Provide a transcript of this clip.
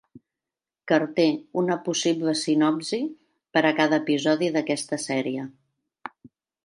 Carter, una possible sinopsi per a cada episodi d'aquesta sèrie.